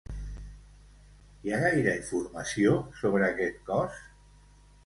Hi ha gaire informació sobre aquest cos?